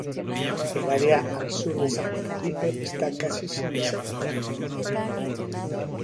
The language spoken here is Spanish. El área al sur de San Felipe está casi sin desarrollar.